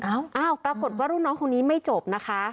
อ้าวปรากฏว่ารุ่นน้องคนนี้ไม่จบนะคะ